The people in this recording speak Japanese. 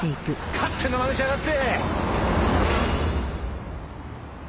勝手なまねしやがって！